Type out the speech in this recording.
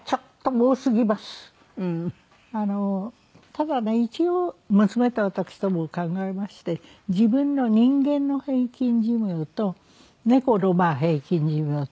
ただね一応娘と私どもも考えまして自分の人間の平均寿命と猫の平均寿命と。